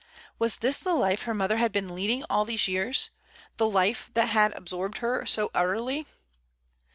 Was this the life her mother had been leading all these years — the life that absorbed her so utterly?